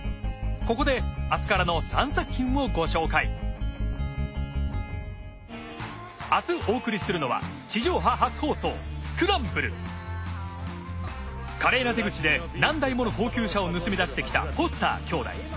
ここで明日からの３作品をご紹介明日お送りするのは地上波初放送華麗な手口で何台もの高級車を盗み出してきたフォスター兄弟。